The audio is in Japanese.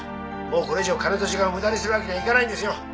もうこれ以上金と時間を無駄にするわけにはいかないんですよ。